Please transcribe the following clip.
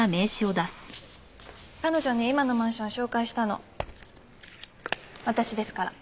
彼女に今のマンション紹介したの私ですから。